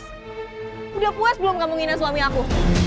sudah puas belum kamu ngineh suami aku